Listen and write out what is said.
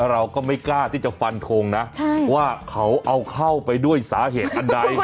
เราก็ไม่กล้าที่จะฟันทงนะว่าเขาเอาเข้าไปด้วยสาเหตุอันใด